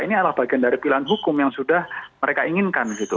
ini adalah bagian dari pilihan hukum yang sudah mereka inginkan gitu